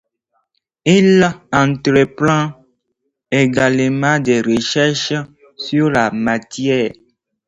Il entreprend également des recherches sur la matière.